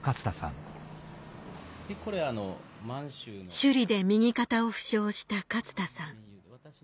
首里で右肩を負傷した勝田さん